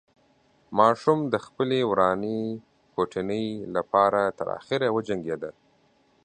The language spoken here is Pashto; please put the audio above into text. ماشوم د خپلې ورانې کوټنۍ له پاره تر اخره وجنګېده.